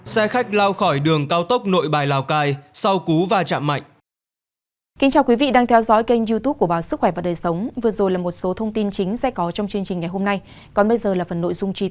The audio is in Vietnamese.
xe khách lao khỏi đường cao tốc nội bài lào cai sau cú va chạm mạnh